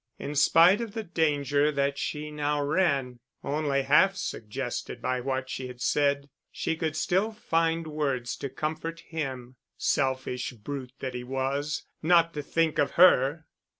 In spite of the danger that she now ran, only half suggested by what she had said, she could still find words to comfort him. Selfish brute that he was, not to think of her!